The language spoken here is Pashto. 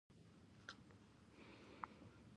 د اوبو سرچینې د افغان ښځو په ژوند کې رول لري.